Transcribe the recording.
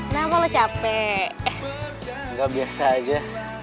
ternyata main bola asik ya